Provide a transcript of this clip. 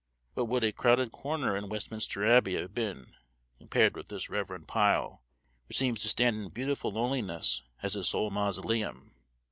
What would a crowded corner in Westminster Abbey have been, compared with this reverend pile, which seems to stand in beautiful loneliness as his sole mausoleum!